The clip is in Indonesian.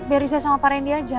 biar riza sama pak randy aja